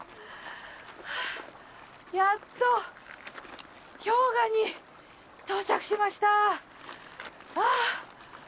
やっと氷河に到着しました